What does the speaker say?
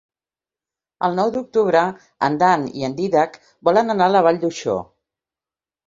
El nou d'octubre en Dan i en Dídac volen anar a la Vall d'Uixó.